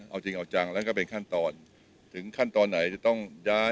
เอาจริงเอาจังแล้วก็เป็นขั้นตอนถึงขั้นตอนไหนจะต้องย้าย